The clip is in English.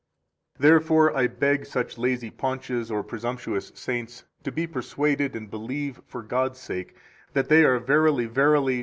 9 Therefore I beg such lazy paunches or presumptuous saints to be persuaded and believe for God's sake that they are verily, verily!